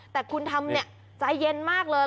แต่คุณทำเนี่ยใจเย็นมากเลย